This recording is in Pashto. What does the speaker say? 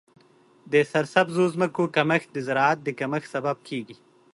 د سرسبزو ځمکو کمښت د زراعت د کمښت سبب کیږي.